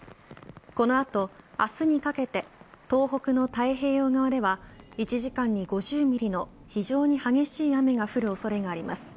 この後、明日にかけて東北の太平洋側では１時間に５０ミリの非常に激しい雨が降る恐れがあります。